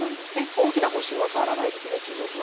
大きな方針は中国は変わらないですね。